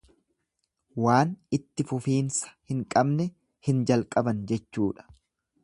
Waan itti fufiinsa hin qabne hin jalqaban jechuudha.